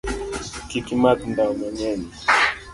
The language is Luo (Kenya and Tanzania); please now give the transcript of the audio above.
Kik imadh ndawa mang'eny.